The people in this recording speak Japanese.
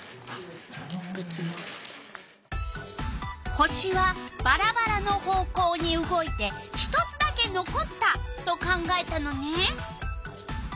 星はばらばらの方向に動いて１つだけのこったと考えたのね。